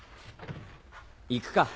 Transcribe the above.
行くか。